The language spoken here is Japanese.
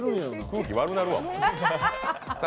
空気悪なるわ。